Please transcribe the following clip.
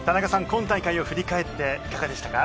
今大会を振り返っていかがでしたか？